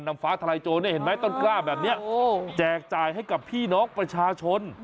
ฟ้าทลายโจรเนี่ยเห็นไหมต้นกล้าแบบนี้แจกจ่ายให้กับพี่น้องประชาชน